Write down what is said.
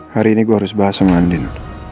hari ini gue harus bahas sama andin